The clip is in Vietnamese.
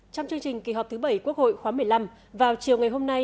trong chương trình kỳ họp thứ bảy quốc hội khóa một mươi năm vào chiều ngày hôm nay